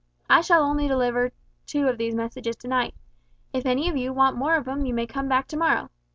I shall deliver only two of these messages to night. If any of you want more of 'em you may come back to morrow.